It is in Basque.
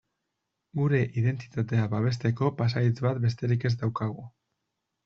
Gure identitatea babesteko pasahitz bat besterik ez daukagu.